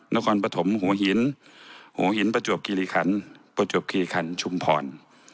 นครปฐมหัวหินหัวหินประจวบคิริขันประจวบคีคันชุมพร